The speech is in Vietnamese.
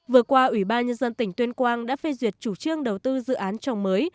vừa qua ủy ban nhân dân tỉnh tuyên quang đã phê duyệt chủ trương đầu tư dự án trồng mới